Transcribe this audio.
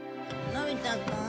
のび太くん？